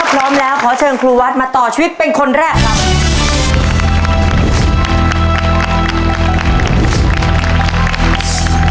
พร้อมแล้วขอเชิญครูวัดมาต่อชีวิตเป็นคนแรกครับ